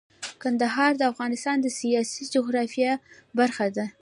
کندهار د افغانستان د سیاسي جغرافیه برخه ده.